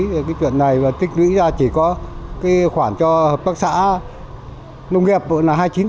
cái chuyện này tích nghĩ ra chỉ có khoản cho hợp tác xã nông nghiệp là hai mươi chín